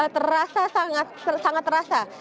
terasa sangat terasa